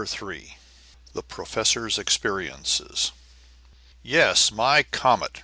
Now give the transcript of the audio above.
CHAPTER III. THE PROFESSOR'S EXPERIENCES "Yes, my comet!"